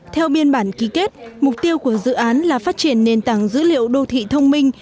theo biên bản ký kết mục tiêu của dự án là phát triển nền tảng dữ liệu đô thị thông minh